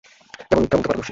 কেবল মিথ্যা বলতে পারদর্শী।